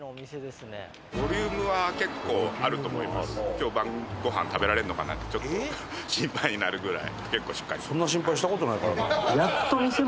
今日晩ごはん食べられるのかなってちょっと心配になるぐらい。